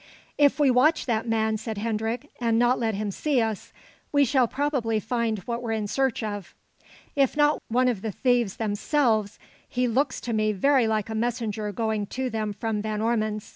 "If we watch that man," said Hendrik, "and not let him see us, we shall probably find what we're in search of. If not one of the thieves themselves, he looks to me very like a messenger going to them from Van Ormon's.